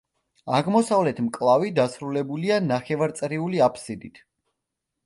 აღმოსავლეთ მკლავი დასრულებულია ნახევარწრიული აფსიდით.